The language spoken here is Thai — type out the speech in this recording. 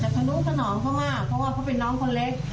จากประโยชน์ตนอมเข้ามาเพราะว่าเขาเป็นน้องคนเล็ก